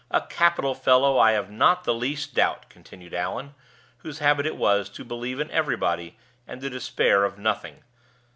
A capital fellow, I have not the least doubt!" continued Allan, whose habit it was to believe in everybody and to despair of nothing.